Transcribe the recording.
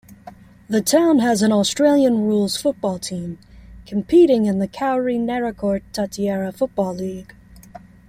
The town has an Australian Rules football team competing in the Kowree-Naracoorte-Tatiara Football League.